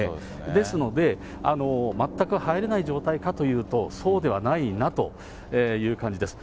ですので、全く入れない状態かというと、そうではないなという感じです。